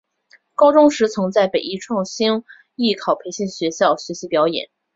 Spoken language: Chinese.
高中时曾在北艺创星艺考培训学校学习表演。